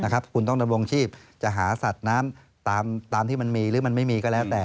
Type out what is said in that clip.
คุณต้องดำรงชีพจะหาสัตว์น้ำตามที่มันมีหรือมันไม่มีก็แล้วแต่